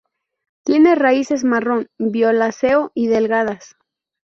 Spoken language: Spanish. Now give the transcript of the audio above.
Tiene raíces marrón violáceo y delgadas.